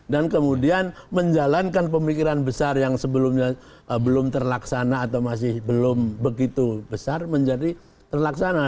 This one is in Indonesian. kemudian menjalankan pemikiran besar yang sebelumnya belum terlaksana atau masih belum begitu besar menjadi terlaksana